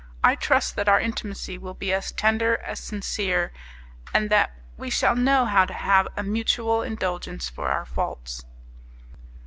I trust that our intimacy will be as tender as sincere, and that we shall know how to have a mutual indulgence for our faults."